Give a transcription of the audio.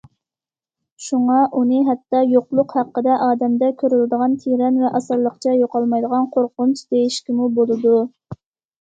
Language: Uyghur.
شۇڭا ئۇنى ھەتتا يوقلۇق ھەققىدە ئادەمدە كۆرۈلىدىغان تىرەن ۋە ئاسانلىقچە يوقالمايدىغان قورقۇنچ دېيىشكىمۇ بولىدۇ.